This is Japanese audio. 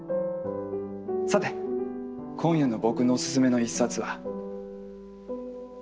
さて今夜の僕のオススメの一冊は。